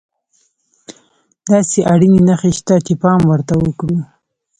داسې اړينې نښې شته چې پام ورته وکړو.